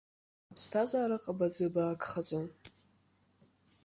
Аԥсҭазаара ҟабаӡыба агхаӡом.